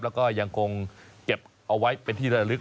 แล้วก็ยังคงเก็บเอาไว้เป็นที่ระลึก